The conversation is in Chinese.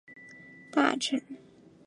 大城山革命烈士陵园也建于此。